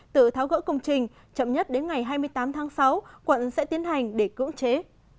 tự tháo gỡ công trình chậm nhất đến ngày hai mươi tám tháng sáu quận sẽ tiến hành để cưỡng chế